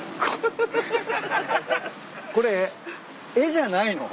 これ絵じゃないの？